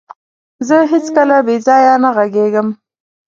زه هيڅکله بيځايه نه غږيږم.